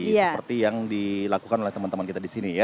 seperti yang dilakukan oleh teman teman kita disini ya